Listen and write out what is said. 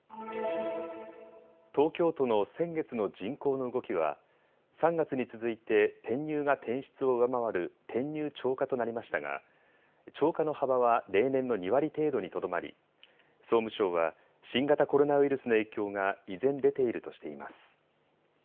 東京都の先月の人口の動きは３月に続いて転入が転出を上回る転入超過となりましたが超過の幅は例年の２割程度にとどまり総務省は新型コロナウイルスの影響が依然出ているとしています。